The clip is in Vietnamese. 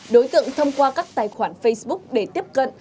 đối tượng thông qua các tài khoản facebook để tiếp cận